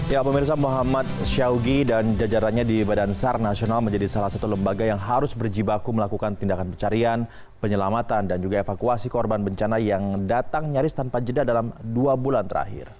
ya pemirsa muhammad syawgi dan jajarannya di badan sar nasional menjadi salah satu lembaga yang harus berjibaku melakukan tindakan pencarian penyelamatan dan juga evakuasi korban bencana yang datang nyaris tanpa jeda dalam dua bulan terakhir